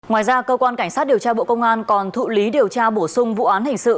ngoài ra cơ quan cảnh sát điều tra bộ công an còn thụ lý điều tra bổ sung vụ án hình sự